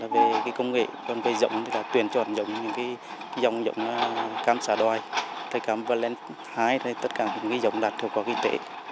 về công nghệ còn về dòng tuyển chọn dòng cam xã đoài cam valence hai tất cả những dòng đạt hiệu quả kinh tế